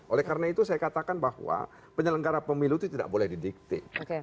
oleh karena itu saya katakan bahwa penyelenggara pemilu itu tidak boleh didikte